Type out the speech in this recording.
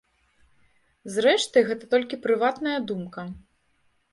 Зрэшты, гэта толькі прыватная думка.